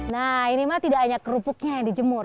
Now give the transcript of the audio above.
nah ini mah tidak hanya kerupuknya yang dijemur